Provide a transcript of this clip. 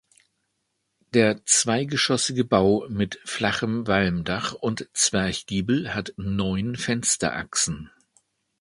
Der zweigeschossige Bau mit flachem Walmdach und Zwerchgiebel hat neun Fensterachsen.